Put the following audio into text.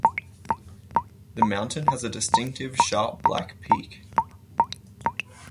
The mountain has a distinctive sharp black peak.